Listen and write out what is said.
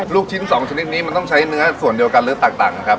ลูกชิ้น๒ชนิดนี้มันต้องใช้เนื้อส่วนเดียวกันหรือแตกต่างนะครับ